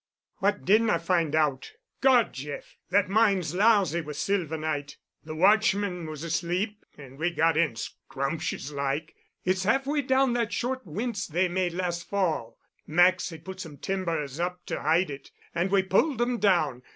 "What didn't I find out? God, Jeff! that mine's lousy with sylvanite. The watchman was asleep, and we got in scrumpshus like. It's half way down that short winze they made last fall. Max had put some timbers up to hide it, and we pulled 'em down.